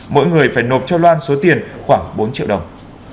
mỗi người phải nộp cho loan số tiền khoảng bốn triệu đồng